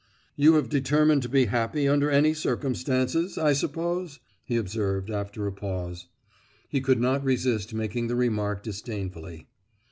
"You have determined to be happy under any circumstances, I suppose?" he observed, after a pause. He could not resist making the remark disdainfully.